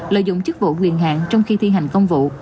lợi dụng chức vụ quyền hạn trong khi thi hành công vụ